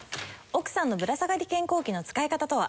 奥さんのぶら下がり健康器の使い方とは？